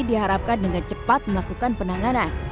diharapkan dengan cepat melakukan penanganan